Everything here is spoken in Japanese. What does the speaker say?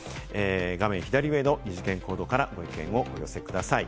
画面左上の二次元コードからご意見をお寄せください。